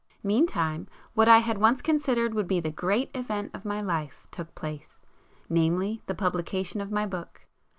Meantime, what I had once considered would be the great event of my life, took place,—namely the publication of my book.